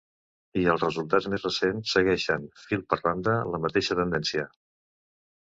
I els resultats més recents segueixen, fil per randa, la mateixa tendència.